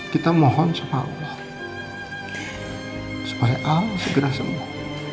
kita mohon sama allah supaya allah segera sembuh